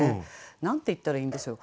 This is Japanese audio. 何て言ったらいいんでしょう。